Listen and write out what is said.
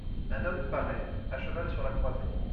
Un homme paraît, à cheval sur la croisée.